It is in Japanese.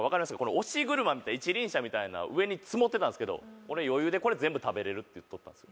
押し車みたいな一輪車みたいな上に積もってたんですけど俺余裕でこれ全部食べれるって言っとったんですよ。